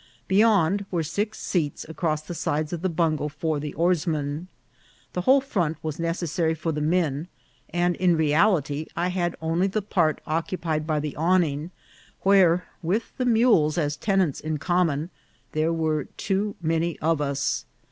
Beyond were six seats across the sides of the bungo for the oarsmen. The whole front was necessary for the men, and in reality I had only the part occupied by the awning, where, with the mules as tenants in common, there were too many of us.